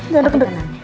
gak ada kena